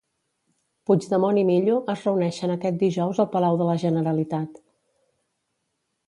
Puigdemont i Millo es reuneixen aquest dijous al Palau de la Generalitat.